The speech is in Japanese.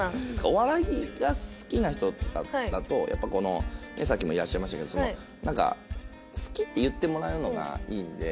お笑いが好きな人とかだとやっぱさっきもいらっしゃいましたけどなんか好きって言ってもらうのがいいんで。